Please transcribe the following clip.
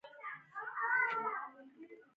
دروازې ساتونکی ورته وایي، ولې بهر وځې؟